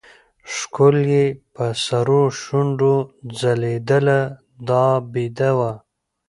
ښکل يې په سرو شونډو ځلېدله دا بېده وه.